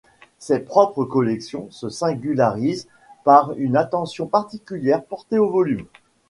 Ses propres collections se singularisent par une attention particulière portée aux volumes.